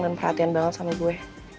dan perhatian banget sama gue